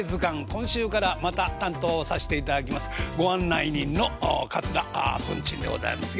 今週からまた担当をさしていただきますご案内人の桂文珍でございます。